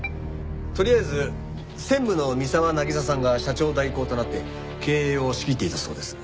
とりあえず専務の三澤渚さんが社長代行となって経営を仕切っていたそうです。